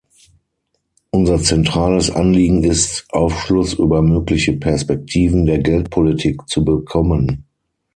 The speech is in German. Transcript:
Unser zentrales Anliegen ist, Aufschluss über mögliche Perspektiven der Geldpolitik zu bekommen.